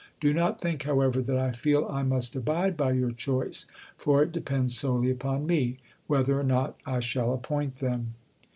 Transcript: Do not think, however, that I feel I must abide by your choice, for it depends solely upon me, whether or not I shall appoint them."